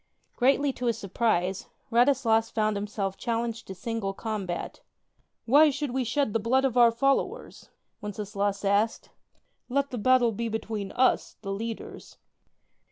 Greatly to his surprise, Radislas found himself challenged to single combat. "Why should we shed the blood of our fol lowers?" Wenceslaus asked: "let the battle be between us, the leaders."